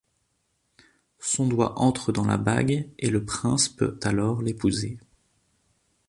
Son doigt entre dans la bague et le prince peut alors l'épouser.